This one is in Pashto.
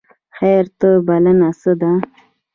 خیر ته بلنه څه ده؟